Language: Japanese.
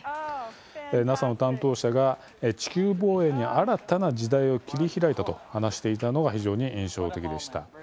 ＮＡＳＡの担当者が「地球防衛に新たな時代を切り開いた」と話していたのが非常に印象的でした。